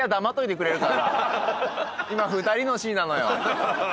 今２人のシーンなのよ。